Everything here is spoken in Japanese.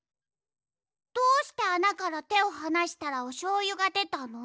どうしてあなからてをはなしたらおしょうゆがでたの？